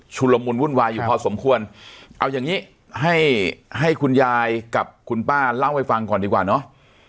ละมุนวุ่นวายอยู่พอสมควรเอาอย่างนี้ให้ให้คุณยายกับคุณป้าเล่าให้ฟังก่อนดีกว่าเนาะ